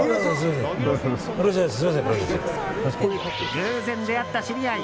偶然出会った知り合い。